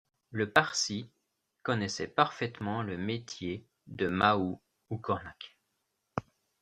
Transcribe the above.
Le Parsi connaissait parfaitement le métier de « mahout » ou cornac.